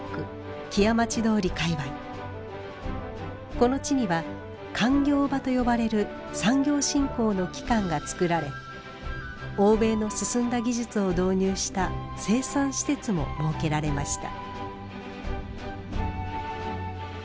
この地には勧業場と呼ばれる産業振興の機関が作られ欧米の進んだ技術を導入した生産施設も設けられました。